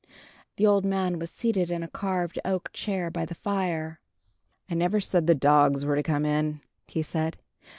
The old man was seated in a carved oak chair by the fire. "I never said the dogs were to come in," he said.